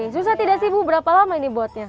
susah tidak sih bu berapa lama ini buatnya